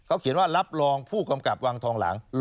เขาเขียนว่ารับรองผู้กำกับวังทองหลัง